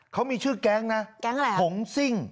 เขามีชื่อแก๊งนะแก๊งอะไรผงซิ่ง